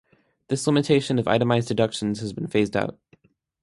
This limitation of itemized deductions has been phased out.